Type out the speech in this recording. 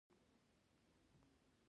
د چلغوزي دانه د قوت لپاره وکاروئ